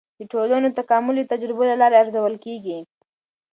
د ټولنو تکامل د تجربو له لارې ارزول کیږي.